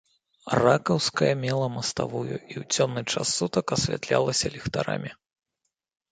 Ракаўская мела маставую і ў цёмны час сутак асвятлялася ліхтарамі.